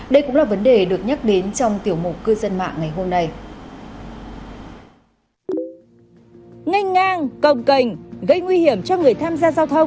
đây cũng là vấn đề được nhắc đến trong tiểu mục cư dân mạng ngày hôm nay